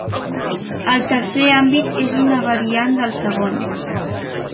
El tercer àmbit és una variant del segon.